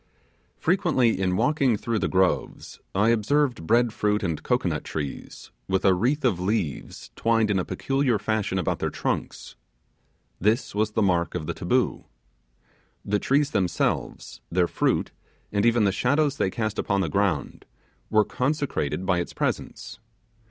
Frequently in walking through the groves I observed bread fruit and cocoanut trees, with a wreath of leaves twined in a peculiar fashion about their trunks. This was the mark of the taboo. The trees themselves, their fruit, and even the shadows they cast upon the ground, were consecrated by its presence.